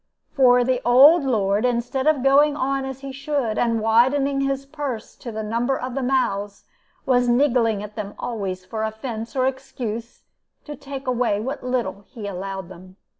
"For the old lord, instead of going on as he should, and widening his purse to the number of the mouths, was niggling at them always for offense or excuse, to take away what little he allowed them.